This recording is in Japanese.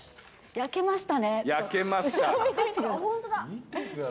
焼けました。